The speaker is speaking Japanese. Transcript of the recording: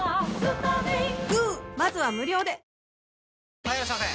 はぁ・はいいらっしゃいませ！